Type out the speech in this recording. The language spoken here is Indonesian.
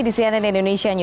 di cnn indonesia